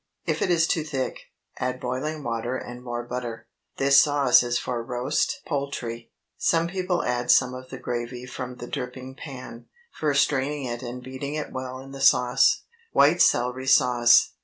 If it is too thick, add boiling water and more butter. This sauce is for roast poultry. Some people add some of the gravy from the dripping pan, first straining it and beating it well in with the sauce. WHITE CELERY SAUCE.